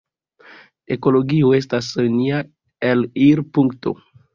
Ekologio estas nia elirpunkto.